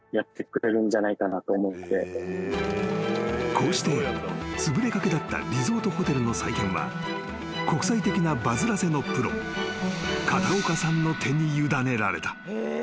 ［こうしてつぶれかけだったリゾートホテルの再建は国際的なバズらせのプロ片岡さんの手に委ねられた］